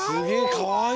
かわいい！